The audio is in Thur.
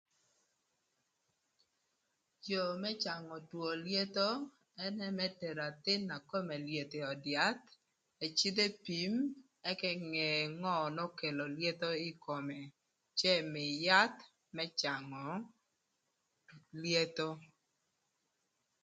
Yoo më cangö twö lyetho ënë më tero athïn na kome lyeth ï öd yath ëcïdh epim ëka enge ngö n'okelo lyetho ï kome cë ëmïï yath më cangö lyetho